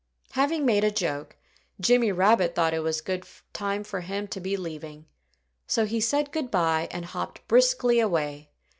Having made a joke, Jimmy Rabbit thought it was a good time for him to be leaving. So he said good by and hopped briskly away.